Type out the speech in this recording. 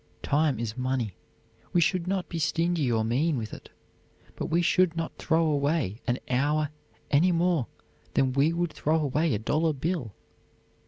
Time is money. We should not be stingy or mean with it, but we should not throw away an hour any more than we would throw away a dollar bill.